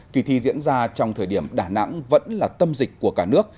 kỳ thi diễn ra trong thời điểm đà nẵng vẫn là tâm dịch của cả nước